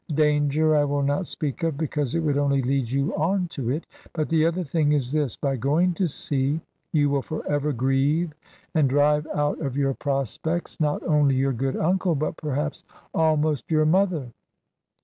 Danger I will not speak of, because it would only lead you on to it. But the other thing is this: By going to sea, you will for ever grieve and drive out of your prospects not only your good uncle, but perhaps almost your mother."